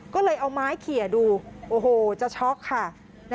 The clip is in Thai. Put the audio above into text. ก็เลยเอาไม้เขียดูโอ้โหจะช็อกค่ะ